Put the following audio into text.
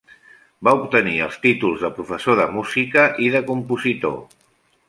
Va obtenir els títols de Professor de Música i de Compositor.